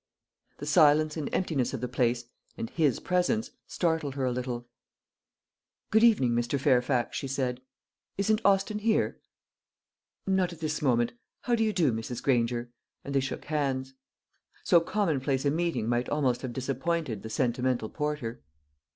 The silence and emptiness of the place, and his presence, startled her a little. "Good evening, Mr. Fairfax," she said. "Isn't Austin here?" "Not at this moment. How do you do, Mrs. Granger?" and they shook hands. So commonplace a meeting might almost have disappointed the sentimental porter.